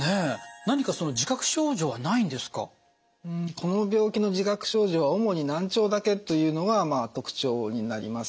この病気の自覚症状は主に難聴だけというのが特徴になります。